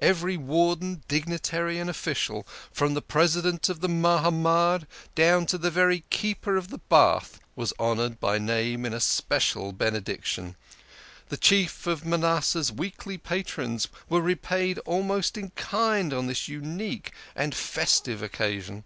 Every warden, dignitary and official, from the President of the Mahamad down to the very Keeper of the Bath, was honoured by name in a special Benediction, the chief of Manasseh's weekly patrons were repaid almost in kind on this unique and festive occasion.